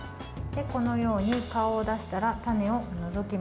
このように顔を出したら種を除きます。